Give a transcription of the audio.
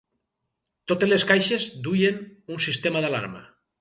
Totes les caixes duien un sistema d'alarma.